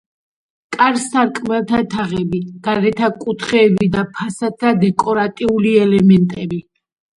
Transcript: კარ-სარკმელთა თაღები, გარეთა კუთხეები და ფასადთა დეკორატიული ელემენტები.